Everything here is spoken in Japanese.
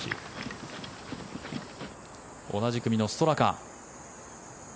同じ組のストラカ。